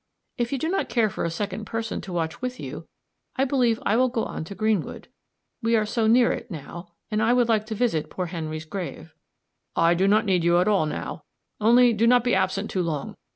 "If you do not care for a second person to watch with you, I believe I will go on to Greenwood. We are so near it, now, and I would like to visit poor Henry's grave." "I do not need you at all now; only, do not be absent too long.